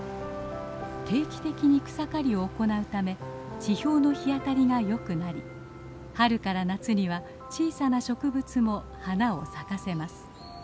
定期的に草刈りを行うため地表の日当たりが良くなり春から夏には小さな植物も花を咲かせます。